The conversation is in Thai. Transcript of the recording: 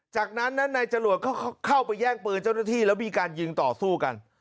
จากนั้นนั้นนายจรวดเข้าไปแย่งปืนเจ้าหน้าที่แล้วมีการยิงต่อสู้กัน